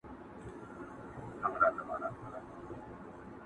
پلو مي باد واخیست وړیا دي ولیدمه٫